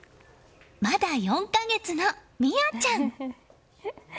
まだ４か月の深愛ちゃん。